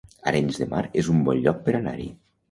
Arenys de Mar es un bon lloc per anar-hi